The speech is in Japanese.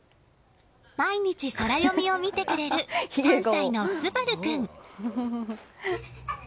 毎日ソラよみを見てくれる３歳の昴君。